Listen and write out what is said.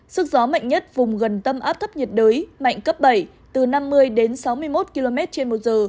sức gió mạnh nhất vùng gần tâm áp thấp nhiệt đới mạnh cấp bảy từ năm mươi đến sáu mươi một km trên một giờ